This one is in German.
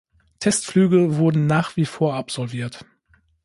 Testflüge wurden nach wie vor absolviert.